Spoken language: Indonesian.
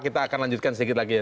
kita akan lanjutkan sedikit lagi ya